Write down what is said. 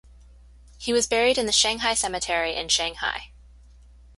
He was buried in the Shanghai Cemetery in Shanghai.